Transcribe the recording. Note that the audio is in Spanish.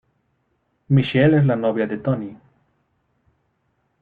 Michelle es la novia de Tony.